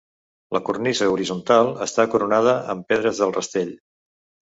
La cornisa, horitzontal, està coronada amb pedres al rastell.